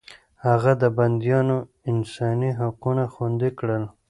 هغه د بنديانو انساني حقونه خوندي کړل.